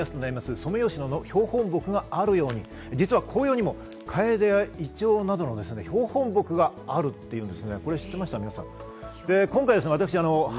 ソメイヨシノの標本木があるように、紅葉にもカエデやイチョウなどの標本木があるっていうんです。